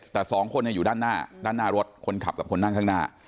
แต่สองคนอยู่ด้านหน้าด้านหน้ารถคนขับกับคนนั่งข้างหน้า